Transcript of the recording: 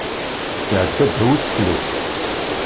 Iɛedda ddaw useklu.